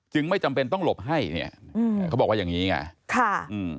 จึงไม่จำเป็นต้องหลบให้เขาบอกว่าอย่างนี้ไง